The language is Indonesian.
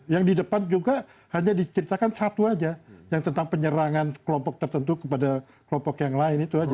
yang di depan juga hanya diceritakan satu aja yang tentang penyerangan kelompok tertentu kepada kelompok yang lain itu aja